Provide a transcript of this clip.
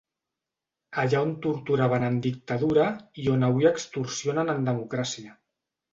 Allà on torturaven en dictadura i on avui extorsionen en democràcia.